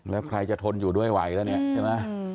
แล้วใครจะทนอยู่ด้วยไหวแล้วเนี่ยใช่ไหม